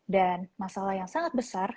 dan masalah yang sangat besar